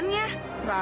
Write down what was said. kita harus sabar